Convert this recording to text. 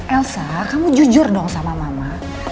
elsa kamu jujur dong sama mama